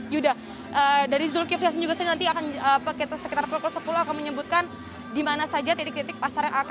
yaudah dari zulkiflias juga sendiri nanti sekitar kelompok sepuluh akan menyebutkan di mana saja titik titik pasar gondang dia